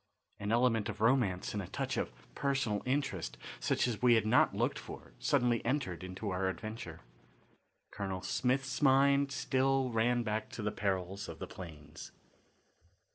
An element of romance and a touch of personal interest such as we had not looked for suddenly entered into our adventure. Colonel Smith's mind still ran back to the perils of the plains.